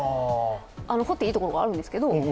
掘っていいところがあるんです。